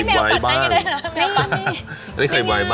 ไม่อยู่บนโลกแล้ว